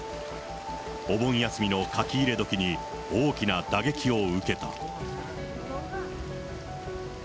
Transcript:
お盆休みの書き入れ時に大きな打撃を受けた。